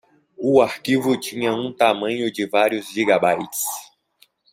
O arquivo tinha um tamanho de vários gigabytes.